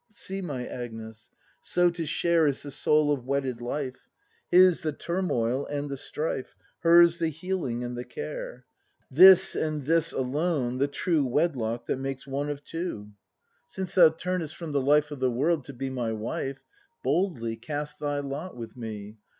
See, my Agnes; so to share Is the soul of wedded life: His, the turmoil and the strife. Hers the healing and the care; 'This and this alone, the true Wedlock, that makes one of two. ACT IV] BRAND 159 Since thou turned st from the life Of the world to be my wife. Boldly cast thy lot with me.